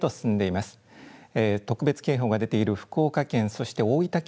特別警報が出ている福岡県そして大分県